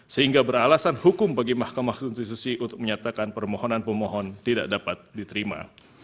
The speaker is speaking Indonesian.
sehingga beralasan hukum bagi mahkamah konstitusi untuk menyatakan permohonan pemohon tidak dapat diterima